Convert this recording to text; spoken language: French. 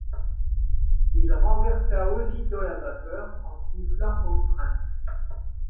Il renversa aussitôt la vapeur en sifflant aux freins.